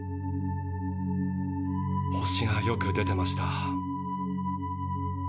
星がよく出てました。